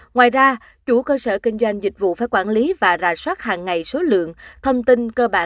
ngoài ra chủ cơ sở kinh doanh dịch vụ phải quản lý và rà soát hàng ngày số lượng thông tin cơ bản